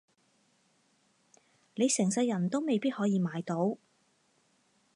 你成世人都未必可以買到